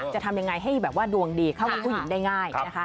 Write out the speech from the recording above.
จะทำยังไงให้ดวงดีเข้ากับผู้หญิงได้ง่าย